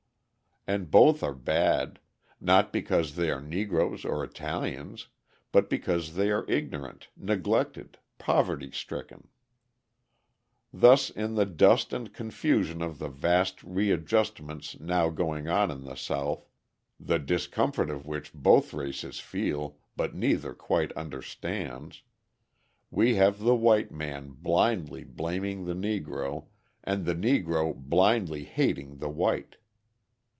And both are bad, not because they are Negroes or Italians, but because they are ignorant, neglected, poverty stricken. Thus in the dust and confusion of the vast readjustments now going on in the South, the discomfort of which both races feel but neither quite understands, we have the white man blindly blaming the Negro and the Negro blindly hating the white.